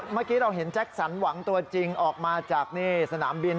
เมื่อกี้เราเห็นแจ็คสันหวังตัวจริงออกมาจากสนามบิน